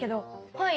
はい。